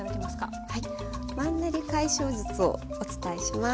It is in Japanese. はい「マンネリ解消術」をお伝えします。